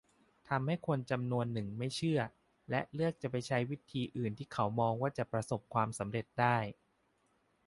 ทำให้คนจำนวนหนึ่งไม่เชื่อ และเลือกจะไปใช้วิธีอื่นที่เขามองว่าจะประสบผลสำเร็จได้